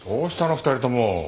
２人とも。